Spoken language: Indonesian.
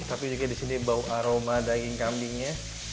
tapi juga disini bau aroma daging kambingnya